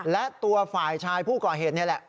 และตัวฝ่ายชายผู้ก่อเหตุนี่แหละ